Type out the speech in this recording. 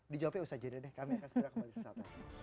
dijawabnya usah jadi deh kami akan segera kembali sesat